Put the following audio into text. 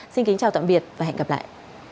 xin kính chào tạm biệt và hẹn gặp lại